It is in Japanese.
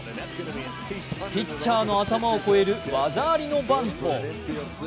ピッチャーの頭を越える技ありのバント。